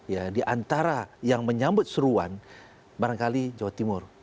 ya di antara yang menyambut seruan barangkali jawa timur